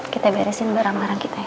kita beresin barang barang kita ya